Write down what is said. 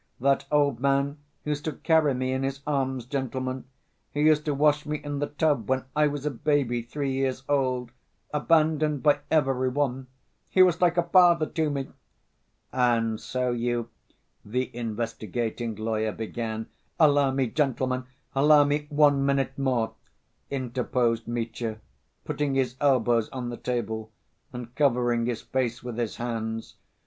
That old man used to carry me in his arms, gentlemen. He used to wash me in the tub when I was a baby three years old, abandoned by every one, he was like a father to me!..." "And so you—" the investigating lawyer began. "Allow me, gentlemen, allow me one minute more," interposed Mitya, putting his elbows on the table and covering his face with his hands.